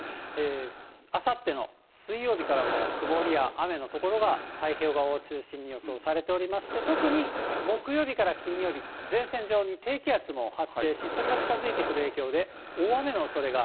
あさっての水曜日からもう、曇りや雨の所が、太平洋側を中心に予想されておりまして、特に木曜日から金曜日、前線上に低気圧も発生し、それが近づいてくる影響で、大雨のおそれが。